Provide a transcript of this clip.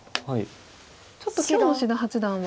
ちょっと今日の志田八段は。